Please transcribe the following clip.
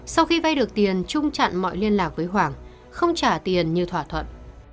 sau khi vay được tiền trung chặn mọi liên lạc với hoàng không trả tiền như thỏa thuận